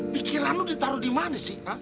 pikiran lu ditaruh dimana sih